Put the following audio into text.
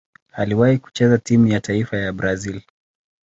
Aliwahi kucheza timu ya taifa ya Brazil.